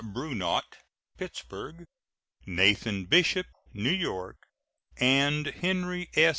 Brunot, Pittsburg; Nathan Bishop, New York, and Henry S.